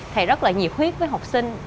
thầy rất là nhiệt huyết với học sinh